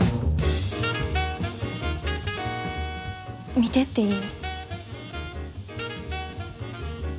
見てっていい？